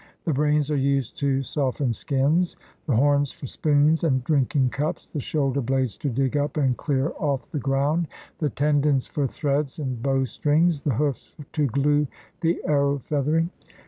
The brains are used to soften skins, the horns for spoons and drinking cups, the shoulder blades to dig up and clear off the ground, the tendons for threads and bow strings, the hoofs to glue the arrow feath ering.